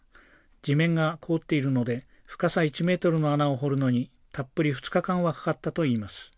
地面が凍っているので深さ１メートルの穴を掘るのにたっぷり２日間はかかったといいます。